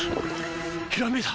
ひらめいた！